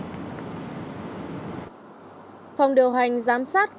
phòng điều hành giám sát camera